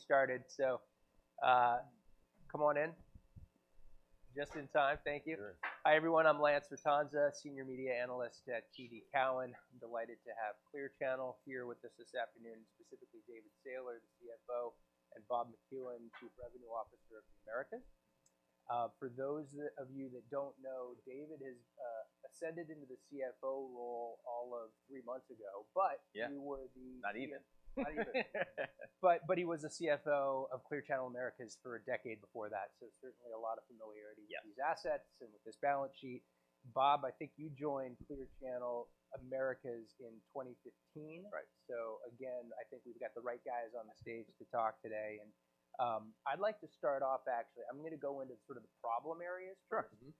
Started. So, come on in. Just in time. Thank you. Sure. Hi, everyone. I'm Lance Vitanza, Senior Media Analyst at TD Cowen. I'm delighted to have Clear Channel here with us this afternoon, specifically David Sailer, the CFO, and Bob McCuin, Chief Revenue Officer of the Americas. For those of you that don't know, David has ascended into the CFO role all of three months ago, but- Yeah. He was the- Not even. Not even. But he was the CFO of Clear Channel Americas for a decade before that, so certainly a lot of familiarity- Yeah. With these assets and with this balance sheet. Bob, I think you joined Clear Channel Americas in 2015. Right. So again, I think we've got the right guys on the stage to talk today. I'd like to start off actually, I'm gonna go into sort of the problem areas. Sure. Mm-hmm.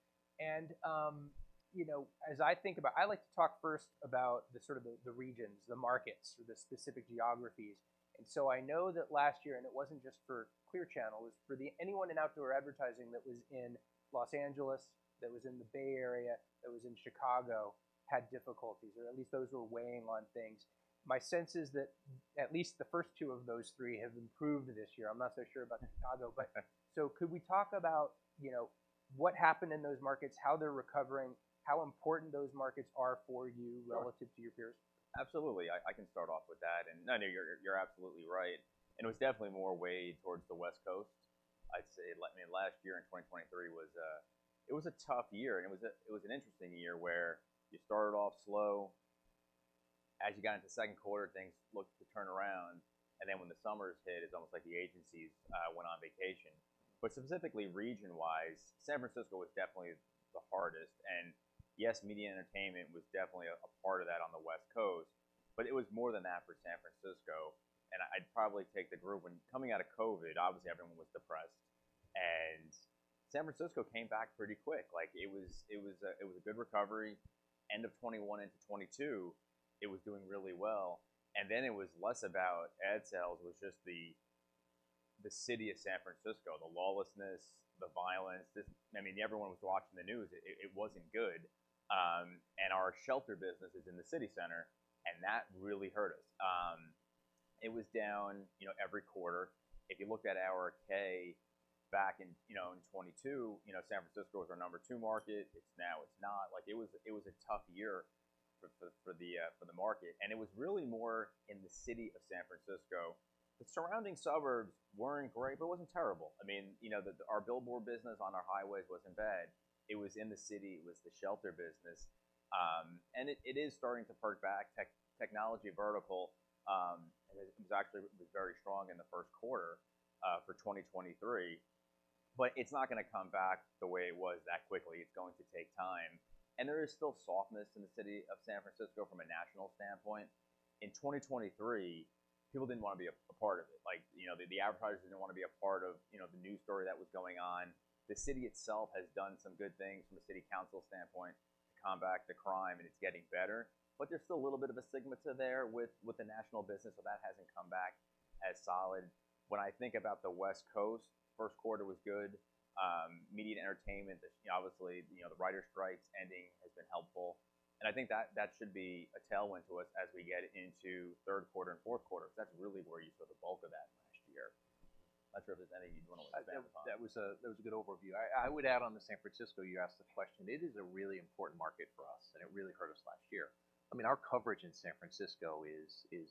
You know, as I think about, I like to talk first about the sort of the, the regions, the markets, or the specific geographies. So I know that last year, and it wasn't just for Clear Channel, it was for the, anyone in outdoor advertising that was in Los Angeles, that was in the Bay Area, that was in Chicago, had difficulties, or at least those were weighing on things. My sense is that at least the first two of those three have improved this year. I'm not so sure about Chicago. So could we talk about, you know, what happened in those markets, how they're recovering, how important those markets are for you relative to your peers? Absolutely. I can start off with that, and I know you're absolutely right, and it was definitely more weighed towards the West Coast. I'd say, I mean, last year in 2023 was. It was a tough year, and it was an interesting year, where you started off slow. As you got into the second quarter, things looked to turn around, and then when the summers hit, it's almost like the agencies went on vacation. But specifically region-wise, San Francisco was definitely the hardest, and yes, media and entertainment was definitely a part of that on the West Coast, but it was more than that for San Francisco, and I'd probably take the group. When coming out of COVID, obviously, everyone was depressed, and San Francisco came back pretty quick. Like, it was a good recovery. End of 2021 into 2022, it was doing really well, and then it was less about ad sales, it was just the, the city of San Francisco, the lawlessness, the violence, just... I mean, everyone was watching the news. It, it wasn't good. And our shelter business is in the city center, and that really hurt us. It was down, you know, every quarter. If you looked at our 10-K back in, you know, in 2022, you know, San Francisco was our number two market. It's now, it's not. Like, it was, it was a tough year for, for, for the, for the market, and it was really more in the city of San Francisco. The surrounding suburbs weren't great, but it wasn't terrible. I mean, you know, the, our billboard business on our highways wasn't bad. It was in the city, it was the shelter business. It is starting to perk back. The technology vertical, and it was actually very strong in the first quarter for 2023, but it's not gonna come back the way it was that quickly. It's going to take time, and there is still softness in the city of San Francisco from a national standpoint. In 2023, people didn't want to be a part of it. Like, you know, the advertisers didn't want to be a part of, you know, the news story that was going on. The city itself has done some good things from a city council standpoint to combat the crime, and it's getting better, but there's still a little bit of a stigma attached there with the national business, so that hasn't come back as solid. When I think about the West Coast, first quarter was good. Media and entertainment, obviously, you know, the writer strikes ending has been helpful, and I think that should be a tailwind to us as we get into third quarter and fourth quarter, because that's really where you saw the bulk of that last year. Not sure if there's anything you'd want to expand upon. That was a good overview. I would add on to San Francisco, you asked the question. It is a really important market for us, and it really hurt us last year. I mean, our coverage in San Francisco is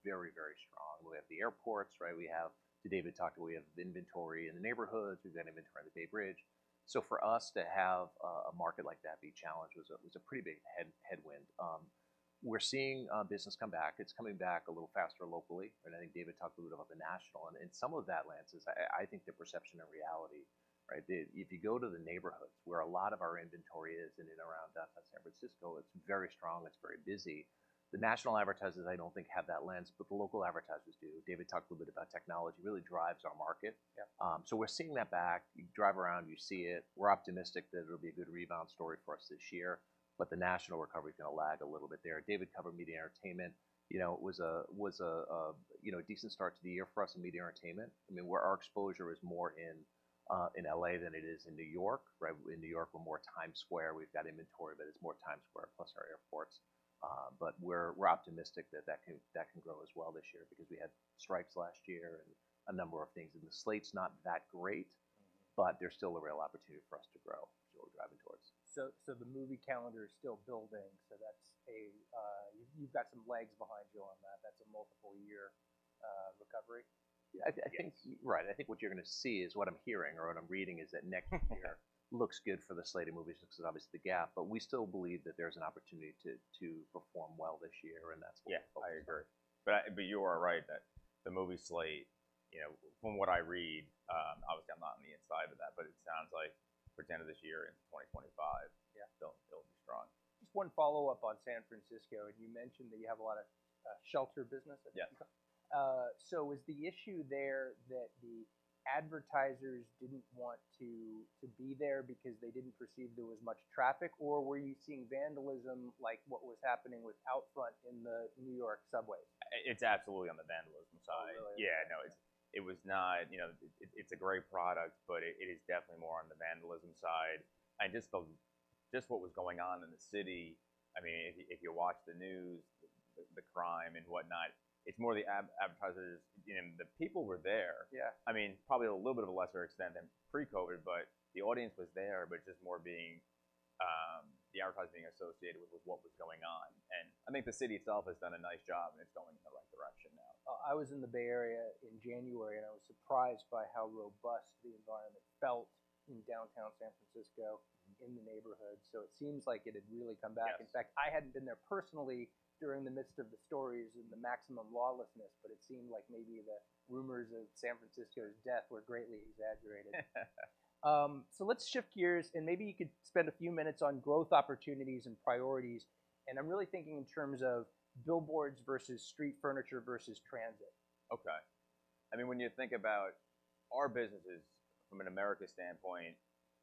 very, very strong. We have the airports, right? As David talked about, we have the inventory in the neighborhoods. We've got inventory on the Bay Bridge. So for us to have a market like that be challenged was a pretty big headwind. We're seeing business come back. It's coming back a little faster locally, and I think David talked a little about the national. And in some of that lens is, I think the perception and reality, right? The... If you go to the neighborhoods where a lot of our inventory is in and around downtown San Francisco, it's very strong, it's very busy. The national advertisers, I don't think, have that lens, but the local advertisers do. David talked a little bit about technology, really drives our market. Yep. So we're seeing that back. You drive around, you see it. We're optimistic that it'll be a good rebound story for us this year, but the national recovery is gonna lag a little bit there. David covered media and entertainment. You know, it was a decent start to the year for us in media and entertainment. I mean, where our exposure is more in L.A. than it is in New York, right? In New York, we're more Times Square. We've got inventory, but it's more Times Square plus our airports. But we're optimistic that that can grow as well this year because we had strikes last year and a number of things, and the slate's not that great. Mm-hmm. There's still a real opportunity for us to grow, which we're driving towards. So, the movie calendar is still building, so that's a, you've got some legs behind you on that. That's a multiple year recovery? I think, right. I think what you're gonna see is what I'm hearing or what I'm reading, is that next year looks good for the slate of movies because obviously the gap, but we still believe that there's an opportunity to perform well this year, and that's what. Yeah, I agree. But you are right, that the movie slate, you know, from what I read, obviously, I'm not on the inside of that, but it sounds like for the end of this year into 2025- Yeah. It'll be strong. Just one follow-up on San Francisco, and you mentioned that you have a lot of shelter business, I think? Yeah. So, is the issue there that the advertisers didn't want to be there because they didn't perceive there was much traffic, or were you seeing vandalism, like what was happening with OUTFRONT in the New York subway? It's absolutely on the vandalism side. Oh, really? Yeah. No, it's a great product, but it is definitely more on the vandalism side. And just what was going on in the city, I mean, if you watch the news, the crime and whatnot, it's more the advertisers. And the people were there. Yeah. I mean, probably a little bit of a lesser extent than pre-COVID, but the audience was there, but just more being, the advertisers being associated with, with what was going on. And I think the city itself has done a nice job, and it's going in the right direction now. I was in the Bay Area in January, and I was surprised by how robust the environment felt in downtown San Francisco, in the neighborhood. So it seems like it had really come back. Yes. In fact, I hadn't been there personally during the midst of the stories and the maximum lawlessness, but it seemed like maybe the rumors of San Francisco's death were greatly exaggerated. So let's shift gears, and maybe you could spend a few minutes on growth opportunities and priorities. And I'm really thinking in terms of billboards versus street furniture versus transit. Okay. I mean, when you think about our businesses from an American standpoint,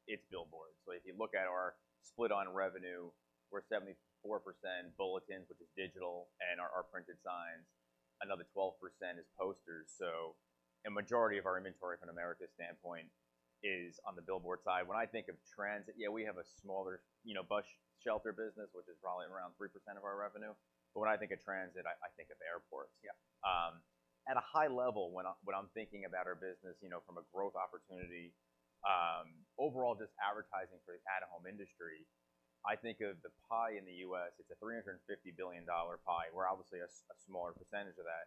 it's billboards. So if you look at our split on revenue, we're 74% bulletins, which is digital, and our printed signs. Another 12% is posters. So a majority of our inventory from an American standpoint is on the billboard side. When I think of transit, yeah, we have a smaller, you know, bus shelter business, which is probably around 3% of our revenue. But when I think of transit, I think of airports. Yeah. At a high level, when I'm thinking about our business, you know, from a growth opportunity, overall, just advertising for the out-of-home industry, I think of the pie in the U.S., it's a $350 billion pie. We're obviously a smaller percentage of that,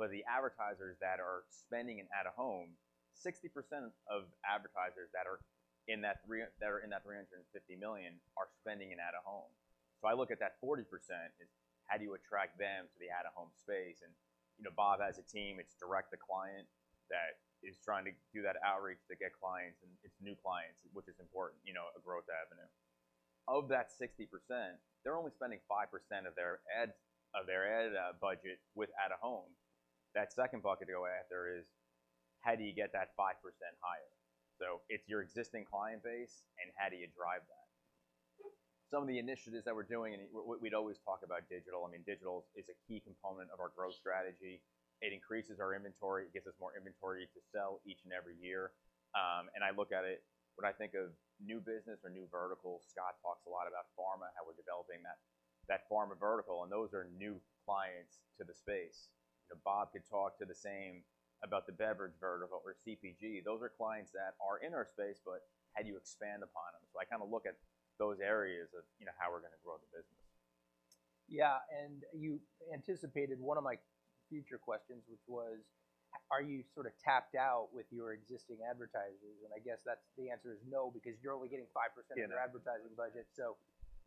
but the advertisers that are spending in out-of-home, 60% of advertisers that are in that three-- that are in that 350 million, are spending in out-of-home. So I look at that 40% as, how do you attract them to the out-of-home space? And, you know, Bob, as a team, it's direct to client that is trying to do that outreach to get clients, and it's new clients, which is important, you know, a growth avenue. Of that 60%, they're only spending 5% of their ads, of their ad budget with out-of-home. That second bucket to go after is: how do you get that 5% higher? So it's your existing client base, and how do you drive that? Some of the initiatives that we're doing, and we'd always talk about digital. I mean, digital is a key component of our growth strategy. It increases our inventory, it gets us more inventory to sell each and every year. And I look at it, when I think of new business or new verticals, Scott talks a lot about pharma, how we're developing that, that pharma vertical, and those are new clients to the space. You know, Bob could talk to the same about the beverage vertical or CPG. Those are clients that are in our space, but how do you expand upon them? So I kinda look at those areas of, you know, how we're gonna grow the business. Yeah, and you anticipated one of my future questions, which was: are you sort of tapped out with your existing advertisers? And I guess that's the answer is no, because you're only getting 5%- Yeah. Of their advertising budget. So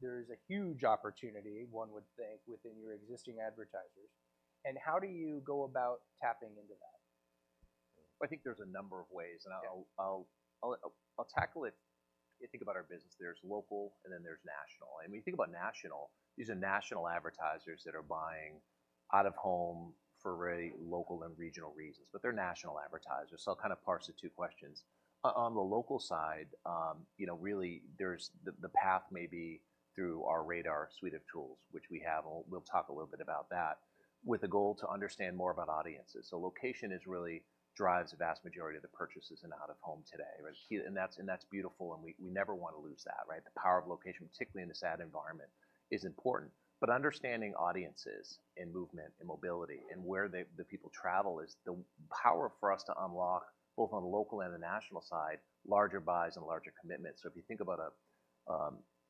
there's a huge opportunity, one would think, within your existing advertisers. And how do you go about tapping into that? I think there's a number of ways, and I'll- Okay. I'll tackle it. If you think about our business, there's local, and then there's national. And when you think about national, these are national advertisers that are buying out-of-home for very local and regional reasons, but they're national advertisers. So I'll kind of parse the two questions. On the local side, you know, really there's the path may be through our RADAR suite of tools, which we have, and we'll talk a little bit about that, with a goal to understand more about audiences. So location is really drives the vast majority of the purchases in out-of-home today, right? Yeah. And that's, and that's beautiful, and we, we never wanna lose that, right? The power of location, particularly in this ad environment, is important. But understanding audiences and movement and mobility and where they, the people travel is the power for us to unlock, both on the local and the national side, larger buys and larger commitments. So if you think about a,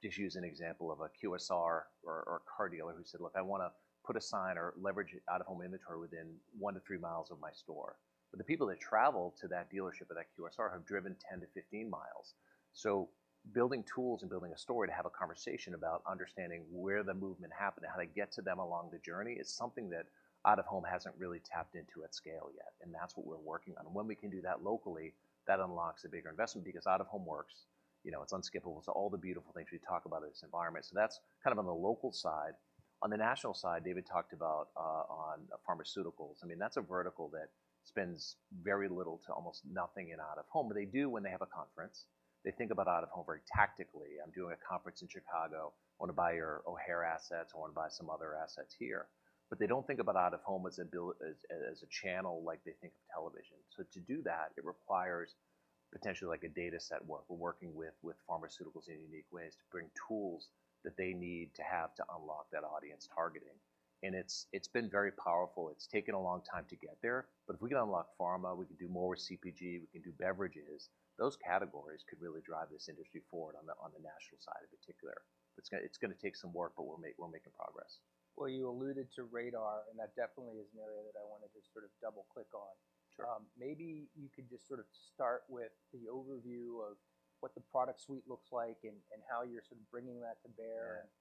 just use an example of a QSR or, or a car dealer who said: "Look, I wanna put a sign or leverage out-of-home inventory within one to three miles of my store." But the people that travel to that dealership or that QSR have driven 10-15 miles. So building tools and building a story to have a conversation about understanding where the movement happened and how to get to them along the journey is something that out-of-home hasn't really tapped into at scale yet, and that's what we're working on. And when we can do that locally, that unlocks a bigger investment because out-of-home works. You know, it's unskippable. So all the beautiful things we talk about in this environment. So that's kind of on the local side. On the national side, David talked about, on pharmaceuticals. I mean, that's a vertical that spends very little to almost nothing in out-of-home, but they do when they have a conference. They think about out-of-home very tactically. "I'm doing a conference in Chicago. I wanna buy your O'Hare assets. I wanna buy some other assets here." But they don't think about out-of-home as a bill—as, as, as a channel, like they think of television. So to do that, it requires potentially like a data set, what we're working with, with pharmaceuticals in unique ways to bring tools that they need to have to unlock that audience targeting. And it's, it's been very powerful. It's taken a long time to get there, but if we can unlock pharma, we can do more with CPG, we can do beverages. Those categories could really drive this industry forward on the, on the national side in particular. It's gonna, it's gonna take some work, but we're make—we're making progress. Well, you alluded to RADAR, and that definitely is an area that I wanted to sort of double-click on. Sure. Maybe you could just sort of start with the overview of what the product suite looks like and how you're sort of bringing that to bear. Yeah.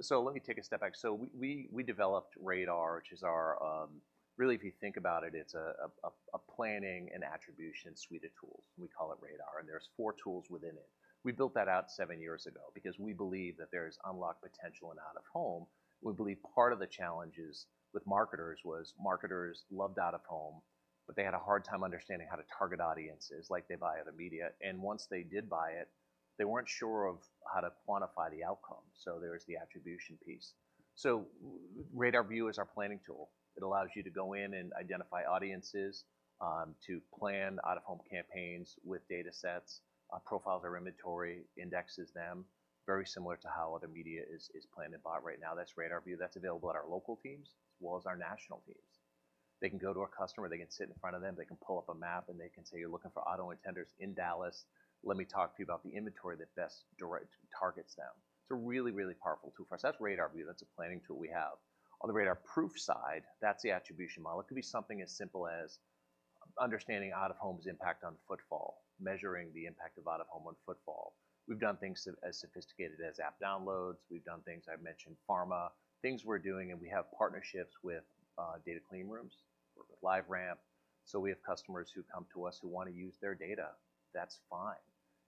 So let me take a step back. So we developed RADAR, which is our... Really, if you think about it, it's a planning and attribution suite of tools, and we call it RADAR, and there's four tools within it. We built that out seven years ago because we believe that there is unlocked potential in out-of-home. We believe part of the challenges with marketers was marketers loved out-of-home, but they had a hard time understanding how to target audiences like they buy other media. And once they did buy it, they weren't sure of how to quantify the outcome, so there's the attribution piece. So RADARView is our planning tool... It allows you to go in and identify audiences, to plan out-of-home campaigns with data sets, profiles our inventory, indexes them, very similar to how other media is planned and bought right now. That's RADARView. That's available at our local teams, as well as our national teams. They can go to a customer, they can sit in front of them, they can pull up a map, and they can say, "You're looking for auto intenders in Dallas. Let me talk to you about the inventory that best directly targets them." It's a really, really powerful tool for us. That's RADARView. That's a planning tool we have. On the RADARProof side, that's the attribution model. It could be something as simple as understanding out-of-home's impact on footfall, measuring the impact of out-of-home on footfall. We've done things so as sophisticated as app downloads. We've done things, I've mentioned pharma, things we're doing, and we have partnerships with data clean rooms, with LiveRamp. So we have customers who come to us who want to use their data. That's fine.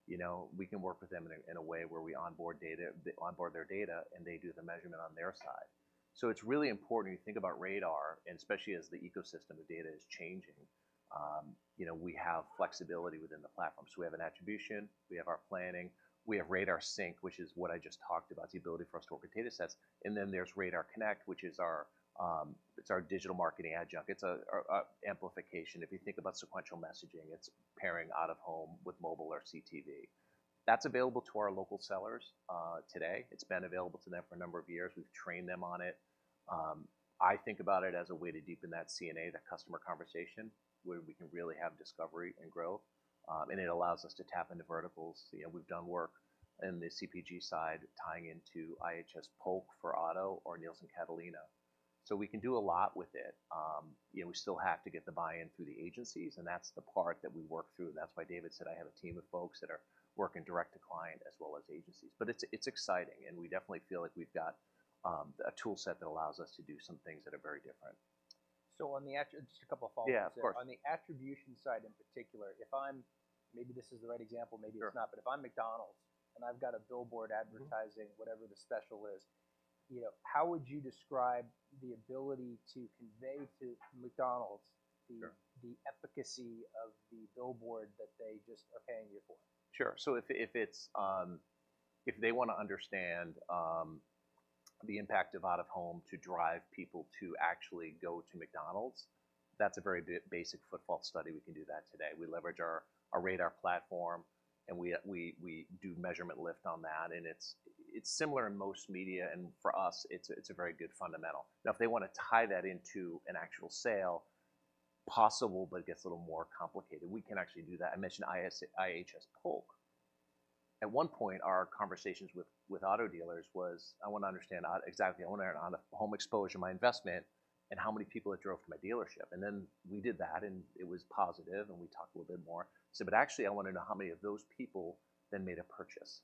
You know, we can work with them in a way where we onboard data, they onboard their data, and they do the measurement on their side. So it's really important you think about RADAR, and especially as the ecosystem of data is changing, you know, we have flexibility within the platform. So we have an attribution, we have our planning, we have RADARSync, which is what I just talked about, it's the ability for us to work with data sets. And then there's RADARConnect, which is our, it's our digital marketing adjunct. It's a amplification. If you think about sequential messaging, it's pairing out-of-home with mobile or CTV. That's available to our local sellers today. It's been available to them for a number of years. We've trained them on it. I think about it as a way to deepen that CNA, that customer conversation, where we can really have discovery and growth. And it allows us to tap into verticals. You know, we've done work in the CPG side, tying into IHS Polk for auto or Nielsen Catalina. So we can do a lot with it. You know, we still have to get the buy-in through the agencies, and that's the part that we work through. That's why David said I have a team of folks that are working direct to client as well as agencies. But it's exciting, and we definitely feel like we've got a toolset that allows us to do some things that are very different. So, just a couple of follow-up. Yeah, of course. On the attribution side, in particular, if I'm, maybe this is the right example, maybe it's not. Sure. But if I'm McDonald's and I've got a billboard advertising- Mm-hmm. Whatever the special is, you know, how would you describe the ability to convey to McDonald's? Sure. The efficacy of the billboard that they just are paying you for? Sure. So if it's, if they wanna understand the impact of out-of-home to drive people to actually go to McDonald's, that's a very basic footfall study. We can do that today. We leverage our RADAR platform, and we do measurement lift on that, and it's similar in most media, and for us, it's a very good fundamental. Now, if they want to tie that into an actual sale, possible, but it gets a little more complicated. We can actually do that. I mentioned IHS Polk. At one point, our conversations with auto dealers was, "I want to understand exactly OOH exposure, my investment, and how many people it drove to my dealership." And then we did that, and it was positive, and we talked a little bit more. So, but actually, I want to know how many of those people then made a purchase.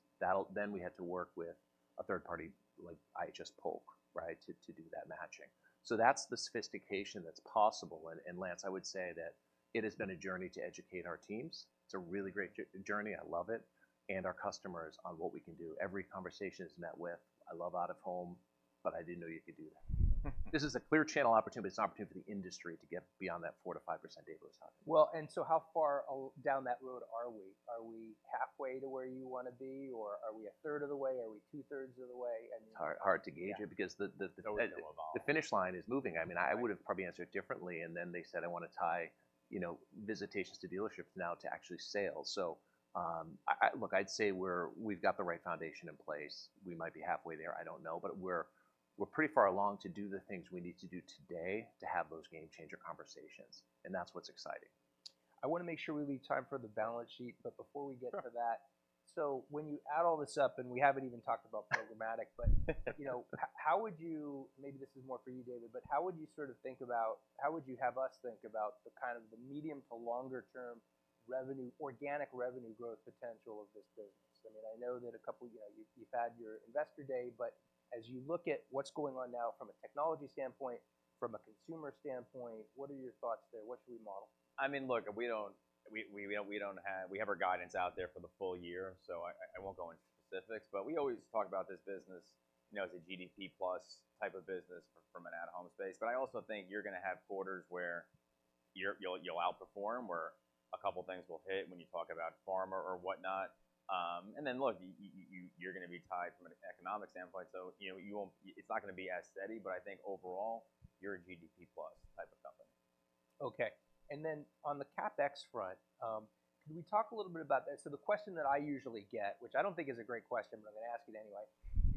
Then we had to work with a third party, like IHS Polk, right? To, to do that matching. So that's the sophistication that's possible. And Lance, I would say that it has been a journey to educate our teams. It's a really great journey. I love it, and our customers on what we can do. Every conversation is met with, "I love out-of-home, but I didn't know you could do that." This is a Clear Channel opportunity. It's an opportunity for the industry to get beyond that 4%-5% David is talking about. Well, and so how far down that road are we? Are we halfway to where you wanna be, or are we a third of the way? Are we two-thirds of the way? And- It's hard, hard to gauge it- Yeah. Because the- There we go about. The finish line is moving. I mean, I would have probably answered it differently, and then they said: I want to tie, you know, visitations to dealerships now to actually sales. So, look, I'd say we've got the right foundation in place. We might be halfway there, I don't know. But we're pretty far along to do the things we need to do today to have those game-changer conversations, and that's what's exciting. I wanna make sure we leave time for the balance sheet, but before we get to that. Sure. So when you add all this up, and we haven't even talked about programmatic... but, you know, how would you, maybe this is more for you, David, but how would you sort of think about, how would you have us think about the kind of the medium to longer term revenue, organic revenue growth potential of this business? I mean, I know that a couple, you know, you've, you've had your Investor Day, but as you look at what's going on now from a technology standpoint, from a consumer standpoint, what are your thoughts there? What should we model? I mean, look, we don't have, we have our guidance out there for the full year, so I won't go into specifics, but we always talk about this business, you know, as a GDP plus type of business from an at-home space. But I also think you're gonna have quarters where you'll outperform, where a couple things will hit when you talk about pharma or whatnot. And then, look, you're gonna be tied from an economic standpoint, so, you know, you won't, it's not gonna be as steady, but I think overall, you're a GDP plus type of company. Okay. And then on the CapEx front, can we talk a little bit about that? So the question that I usually get, which I don't think is a great question, but I'm gonna ask it anyway,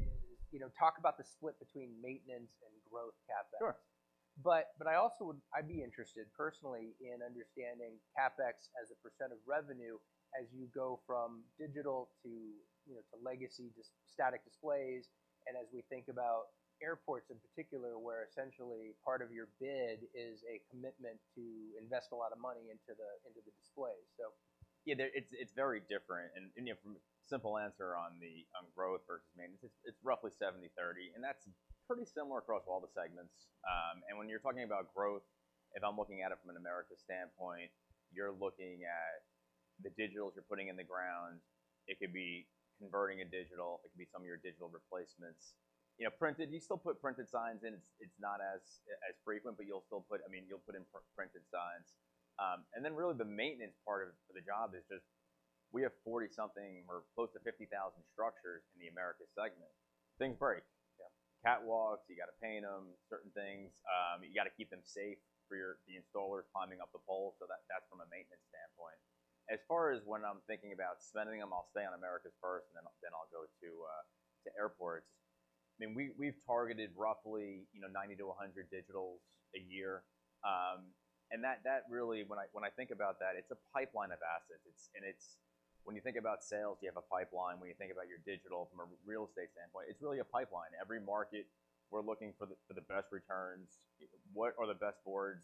is, you know, talk about the split between maintenance and growth CapEx. Sure. But I also would—I'd be interested personally in understanding CapEx as a percent of revenue as you go from digital to, you know, to legacy, just static displays, and as we think about airports in particular, where essentially part of your bid is a commitment to invest a lot of money into the displays, so. Yeah. There, it's very different, and you know, from a simple answer on growth versus maintenance, it's roughly 70/30, and that's pretty similar across all the segments. And when you're talking about growth, if I'm looking at it from an American standpoint, you're looking at the digitals you're putting in the ground. It could be converting a digital, it could be some of your digital replacements. You know, printed, you still put printed signs in. It's not as frequent, but you'll still put—I mean, you'll put in printed signs. And then really, the maintenance part of the job is just we have 40-something or close to 50,000 structures in the Americas segment. Things break. Yeah. Catwalks, you got to paint them, certain things, you got to keep them safe for your, the installers climbing up the pole. So that, that's from a maintenance standpoint. As far as when I'm thinking about spending them, I'll stay on Americas first, and then I'll go to airports. I mean, we, we've targeted roughly, you know, 90-100 digitals a year. And that really, when I think about that, it's a pipeline of assets. It's and it's. When you think about sales, you have a pipeline. When you think about your digital from a real estate standpoint, it's really a pipeline. Every market, we're looking for the best returns. What are the best boards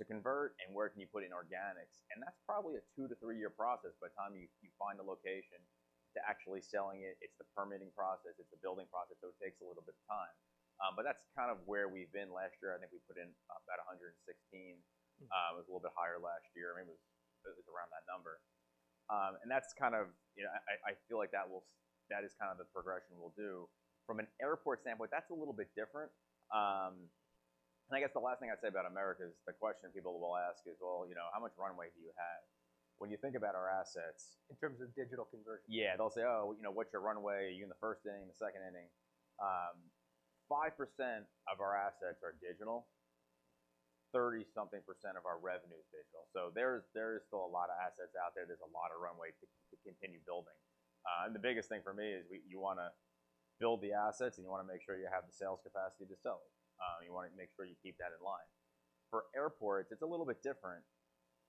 to convert, and where can you put in organics? That's probably a two to three-year process by the time you find a location to actually selling it. It's the permitting process, it's the building process, so it takes a little bit of time. But that's kind of where we've been. Last year, I think we put in about 116. Mm. It was a little bit higher last year. I mean, it was, it was around that number. And that's kind of- You know, I feel like that is kind of the progression we'll do. From an airport standpoint, that's a little bit different. And I guess the last thing I'd say about Americas, the question people will ask is, "Well, you know, how much runway do you have?" When you think about our assets- In terms of digital conversion? Yeah. They'll say: "Oh, you know, what's your runway? Are you in the first inning, the second inning?" 5% of our assets are digital, 30% something of our revenue is digital. So there is, there is still a lot of assets out there. There's a lot of runway to continue building. And the biggest thing for me is we—you want to build the assets, and you want to make sure you have the sales capacity to sell them. You want to make sure you keep that in line. For airports, it's a little bit different.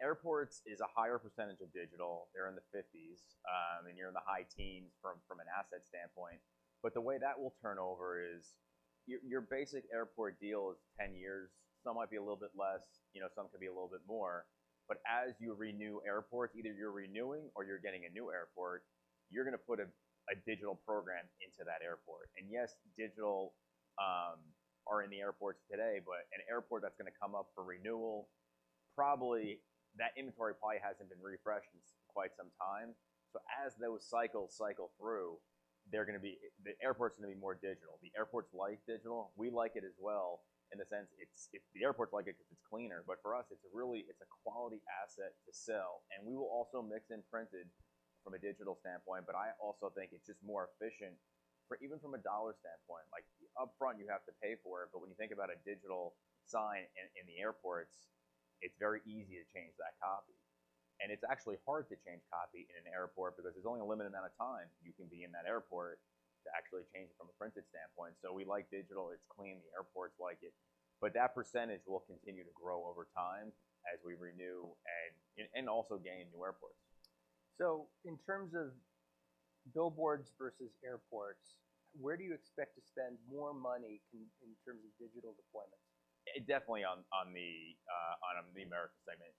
Airports is a higher percentage of digital. They're in the 50s, and you're in the high teens from an asset standpoint. But the way that will turn over is, your basic airport deal is 10 years. Some might be a little bit less, you know, some could be a little bit more. But as you renew airports, either you're renewing or you're getting a new airport, you're going to put a digital program into that airport. And yes, digital are in the airports today, but an airport that's going to come up for renewal, probably, that inventory probably hasn't been refreshed in quite some time. So as those cycles cycle through, they're going to be the airport's going to be more digital. The airports like digital. We like it as well, in the sense, it's... If the airports like it, because it's cleaner, but for us, it's really, it's a quality asset to sell. And we will also mix in printed from a digital standpoint, but I also think it's just more efficient for even from a dollar standpoint. Like, upfront, you have to pay for it, but when you think about a digital sign in, in the airports, it's very easy to change that copy. And it's actually hard to change copy in an airport because there's only a limited amount of time you can be in that airport to actually change it from a printed standpoint. So we like digital, it's clean, the airports like it, but that percentage will continue to grow over time as we renew and also gain new airports. So in terms of billboards versus airports, where do you expect to spend more money in terms of digital deployments? Definitely on the Americas segment.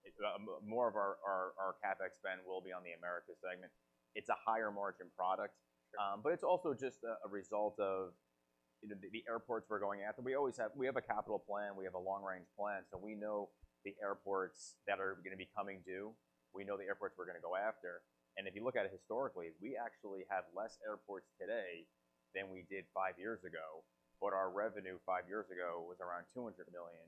More of our CapEx spend will be on the Americas segment. It's a higher-margin product. Sure. But it's also just a result of, you know, the airports we're going after. We have a capital plan, we have a long-range plan, so we know the airports that are going to be coming due. We know the airports we're going to go after, and if you look at it historically, we actually have less airports today than we did five years ago, but our revenue five years ago was around $200 million.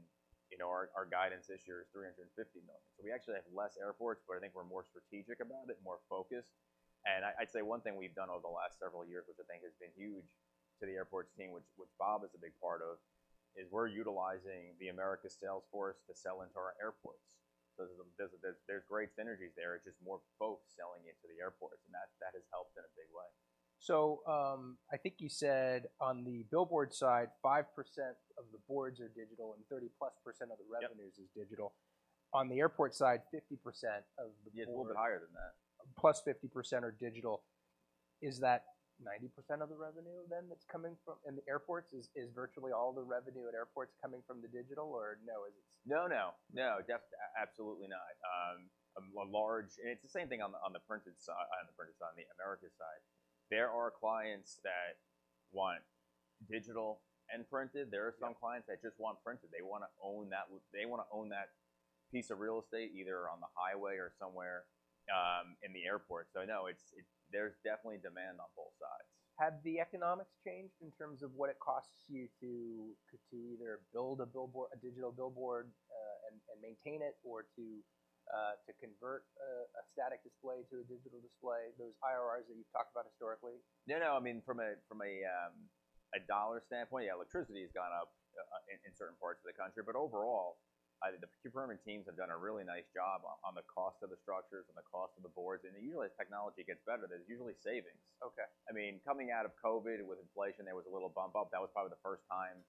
You know, our guidance this year is $350 million. So we actually have less airports, but I think we're more strategic about it, more focused. I'd say one thing we've done over the last several years, which I think has been huge to the airports team, which Bob is a big part of, is we're utilizing the Americas sales force to sell into our airports. So there's great synergies there. It's just more folks selling into the airports, and that has helped in a big way. So, I think you said on the billboard side, 5% of the boards are digital and 30%+ of the revenues- Yep. Is digital. On the airport side, 50% of the board- Yeah, a little bit higher than that. Plus 50% are digital. Is that 90% of the revenue then that's coming from—in the airports? Is, is virtually all the revenue at airports coming from the digital, or no? No, no. No, absolutely not. A large... And it's the same thing on the printed side, on the printed side, on the Americas side. There are clients that want digital and printed. Yeah. There are some clients that just want printed. They want to own that piece of real estate, either on the highway or somewhere in the airport. So no, it's, there's definitely demand on both sides. Have the economics changed in terms of what it costs you to either build a billboard, a digital billboard, and maintain it, or to convert a static display to a digital display, those IRRs that you've talked about historically? No, no. I mean, from a dollar standpoint, yeah, electricity has gone up in certain parts of the country, but overall, the procurement teams have done a really nice job on the cost of the structures and the cost of the boards. And usually, as technology gets better, there's usually savings. Okay. I mean, coming out of COVID, with inflation, there was a little bump up. That was probably the first time,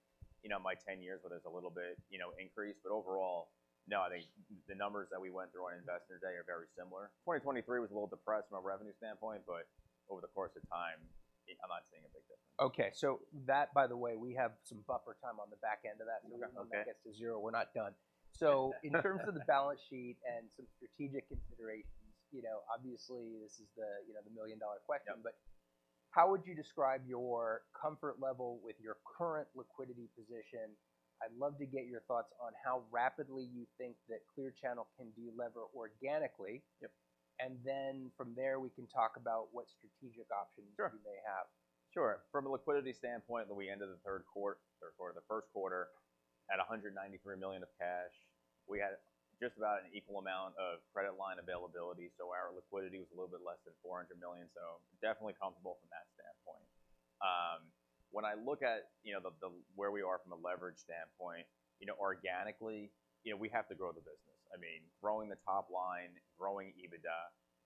you know, in my ten years, where there's a little bit, you know, increase. But overall, no, I think the numbers that we went through on Investor Day are very similar. 2023 was a little depressed from a revenue standpoint, but over the course of time, I'm not seeing a big difference. Okay. So that, by the way, we have some buffer time on the back end of that. Okay. So we're going to make it to zero. We're not done. So in terms of the balance sheet and some strategic considerations, you know, obviously, this is the, you know, the million-dollar question. Yeah. How would you describe your comfort level with your current liquidity position? I'd love to get your thoughts on how rapidly you think that Clear Channel can delever organically. Yep. And then from there, we can talk about what strategic options- Sure. .You may have. Sure. From a liquidity standpoint, when we ended the first quarter, had $193 million of cash. We had just about an equal amount of credit line availability, so our liquidity was a little bit less than $400 million. So definitely comfortable from that standpoint. When I look at, you know, where we are from a leverage standpoint, you know, organically, you know, we have to grow the business. I mean, growing the top line, growing EBITDA,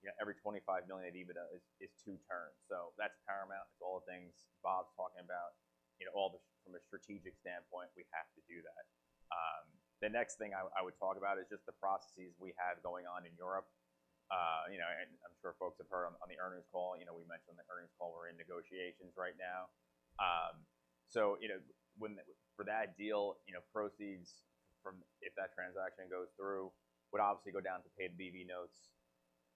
you know, every $25 million of EBITDA is two turns. So that's paramount. It's all the things Bob's talking about. You know, all the, from a strategic standpoint, we have to do that. The next thing I would talk about is just the processes we have going on in Europe. You know, and I'm sure folks have heard on the earnings call. You know, we mentioned on the earnings call, we're in negotiations right now. So you know, for that deal, you know, proceeds from, if that transaction goes through, would obviously go down to pay down BV notes.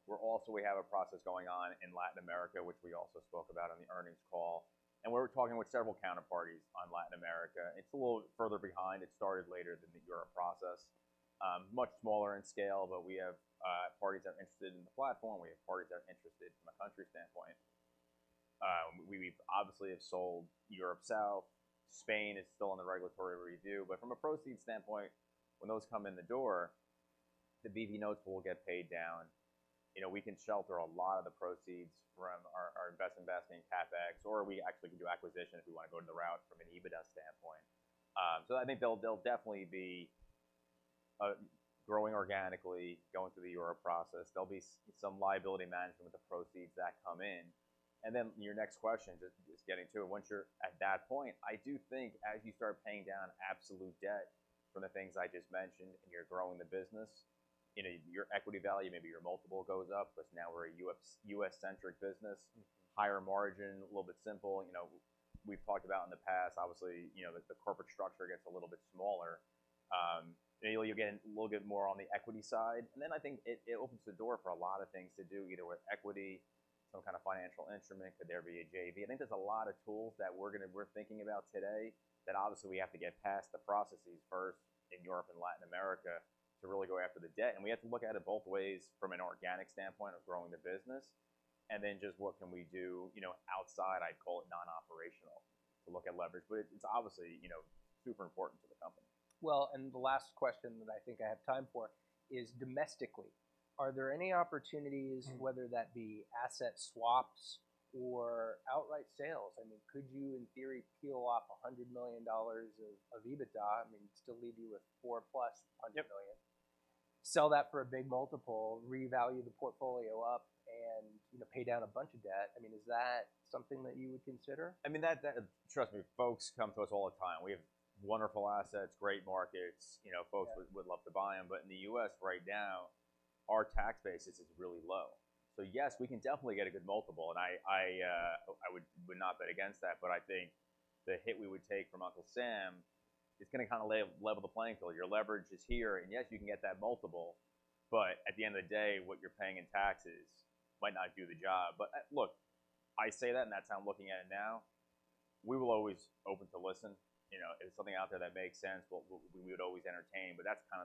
We're also. We have a process going on in Latin America, which we also spoke about on the earnings call, and we're talking with several counterparties on Latin America. It's a little further behind. It started later than the Europe process. Much smaller in scale, but we have parties that are interested in the platform. We have parties that are interested from a country standpoint. We've obviously sold Europe South. Spain is still in the regulatory review. But from a proceeds standpoint, when those come in the door, the BV notes will get paid down. You know, we can shelter a lot of the proceeds from our best investment in CapEx, or we actually can do acquisition if we want to go to the route from an EBITDA standpoint. So I think they'll definitely be growing organically, going through the Europe process. There'll be some liability management with the proceeds that come in. And then your next question just getting to it. Once you're at that point, I do think as you start paying down absolute debt from the things I just mentioned, and you're growing the business, you know, your equity value, maybe your multiple goes up, because now we're a U.S., U.S.-centric business, higher margin, a little bit simple. You know, we've talked about in the past, obviously, you know, the corporate structure gets a little bit smaller. And you'll get a little bit more on the equity side, and then I think it opens the door for a lot of things to do, either with equity, some kind of financial instrument, could there be a JV? I think there's a lot of tools that we're gonna—we're thinking about today that obviously, we have to get past the processes first in Europe and Latin America to really go after the debt. And we have to look at it both ways from an organic standpoint of growing the business, and then just what can we do, you know, outside, I'd call it non-operational, to look at leverage. But it's obviously, you know, super important to the company. Well, and the last question that I think I have time for is, domestically, are there any opportunities- Mm. Whether that be asset swaps or outright sales? I mean, could you, in theory, peel off $100 million of EBITDA, I mean, still leave you with $400+ million- Yep. Sell that for a big multiple, revalue the portfolio up, and, you know, pay down a bunch of debt. I mean, is that something that you would consider? I mean, trust me, folks come to us all the time. We have wonderful assets, great markets, you know. Yeah. Folks would love to buy them. But in the U.S. right now, our tax basis is really low. So yes, we can definitely get a good multiple, and I would not bet against that. But I think the hit we would take from Uncle Sam is gonna kinda level the playing field. Your leverage is here, and yes, you can get that multiple, but at the end of the day, what you're paying in taxes might not do the job. But look, I say that, and that's how I'm looking at it now. We will always open to listen. You know, if there's something out there that makes sense, we would always entertain, but that's kind of-